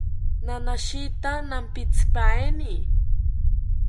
Nanashita nampitzipaeni